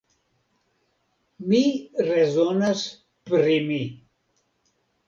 Mi rezonas pri mi.